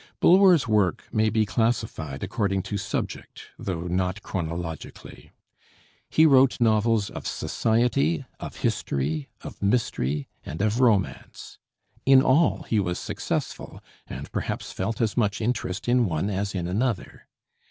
Bulwer's work may be classified according to subject, though not chronologically. He wrote novels of society, of history, of mystery, and of romance. In all he was successful, and perhaps felt as much interest in one as in another.